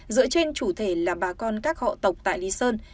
dựa trên chủ thể là bà con các họ tộc tại lý sơn